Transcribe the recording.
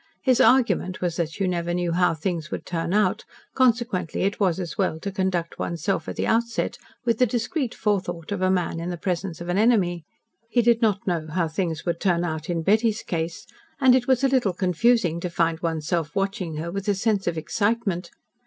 His argument was that you never knew how things would turn out, consequently, it was as well to conduct one's self at the outset with the discreet forethought of a man in the presence of an enemy. He did not know how things would turn out in Betty's case, and it was a little confusing to find one's self watching her with a sense of excitement.